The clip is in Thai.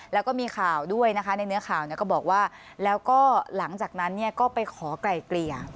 แล้วก็มีข่าวด้วยนะคะในเนื้อข่าวก็บอกว่าแล้วก็หลังจากนั้นก็ไปขอไกลเกลี่ย